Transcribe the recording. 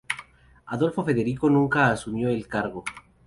Adolfo Federico nunca asumió el cargo.